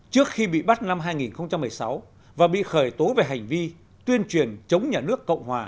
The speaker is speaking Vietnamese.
trước khi bị bắt năm hai nghìn một mươi sáu và bị khởi tố về hành vi tuyên truyền chống nhà nước cộng hòa